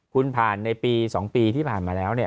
คุณผ่านในปี๒ปีที่ผ่านมาแล้ว